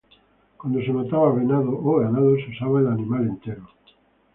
Cuando se mataba venado o ganado, se usaba el animal entero.